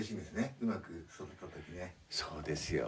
そうですよ。